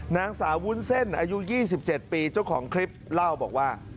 นางสาววุ้นเส้นอายุ๒๗ปีเจ้าของคลิปเล่าบอกว่า